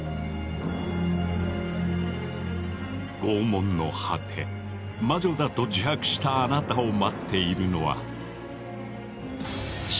拷問の果て魔女だと自白したあなたを待っているのは死刑の宣告のみ。